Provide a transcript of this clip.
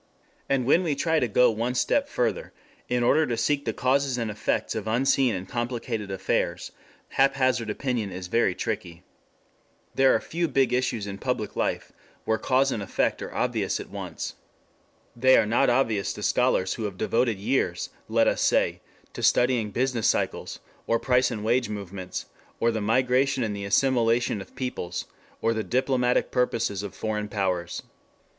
9 And when we try to go one step further in order to seek the causes and effects of unseen and complicated affairs, haphazard opinion is very tricky. There are few big issues in public life where cause and effect are obvious at once. They are not obvious to scholars who have devoted years, let us say, to studying business cycles, or price and wage movements, or the migration and the assimilation of peoples, or the diplomatic purposes of foreign powers.